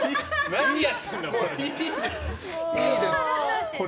何やってんだ、これ。